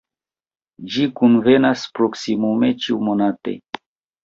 Ĝi kunvenas proksimume ĉiumonate.